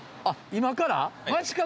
今から？